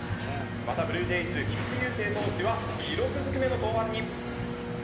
またブルージェイズ、菊池雄星投手は記録ずくめの登板に。